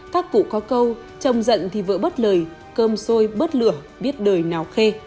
các cụ có câu chồng giận thì vợ bớt lời cơm xôi bớt lửa biết đời nào khê